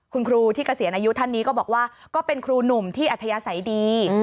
คุณครูที่เกษียณอายุท่านนี้ก็บอกว่าก็เป็นครูหนุ่มที่อัธยาศัยดี